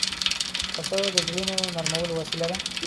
پسه د زړونو نرمولو وسیله ده.